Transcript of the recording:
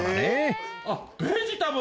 あっベジタブル！